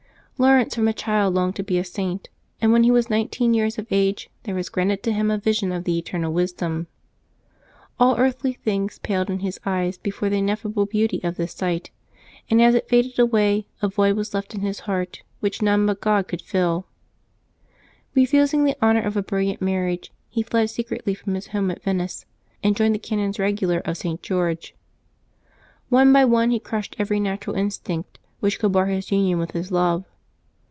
HAUEENCE from a child longed to be a Saint ; and when he was nineteen years of age there was graated to him a vision of the Eternal Wisdom. All earthly things paled in his eyes before the ineffable beauty of this sight, and as it faded away a void was left in his heart which none but God could fill. Eefusing the offer of a brilliant marriage, he fled secretly from his home at Venice, and joined the Canons Eegular of St. George. One by one he crushed every natural instinct which could bar his union with his Love.